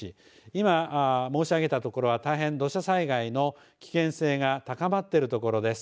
今、申し上げた所は大変、土砂災害の危険性が高まっている所です。